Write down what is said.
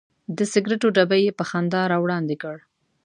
د سګرټو ډبی یې په خندا راوړاندې کړ.